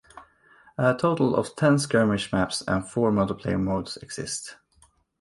A total of ten skirmish maps and four multiplayer modes exist.